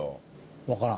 わからん。